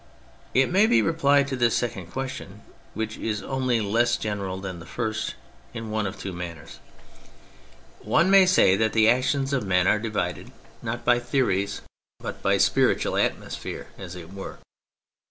It may be replied to this second question, which is only less general than the first, in one of two manners. One may say that the actions of men are 220 THE FRENCH REVOLUTION divided not by theories but by spiritual atmospheres, as it were.